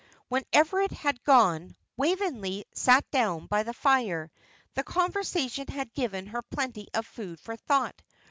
When Everard had gone, Waveney sat down by the fire; the conversation had given her plenty of food for thought.